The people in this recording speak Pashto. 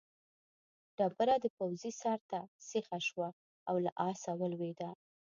ډبره د پوځي سر ته سیخه شوه او له آسه ولوېد.